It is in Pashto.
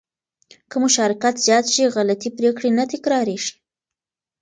که مشارکت زیات شي، غلطې پرېکړې نه تکرارېږي.